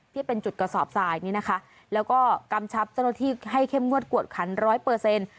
ที่เป็นจุดกระสอบทรายนี้นะคะแล้วก็กำชับเจ้าหน้าที่ให้เข้มงวดกวดขันร้อยเปอร์เซ็นต์